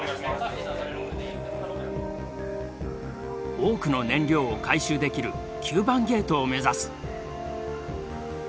多くの燃料を回収できる９番ゲートを目指す。